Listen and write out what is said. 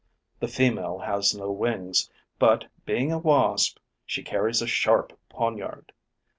The female has no wings, but, being a Wasp, she carries a sharp poniard.